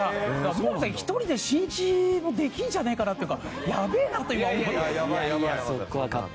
みなみさん１人で新一もできるんじゃねえかなっていうかやべえなと今思って。